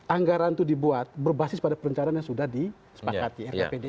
anggaran itu dibuat berbasis pada perencanaan yang sudah disepakati rkpd